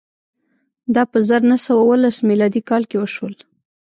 دا په زر نه سوه اوولس میلادي کال کې وشول.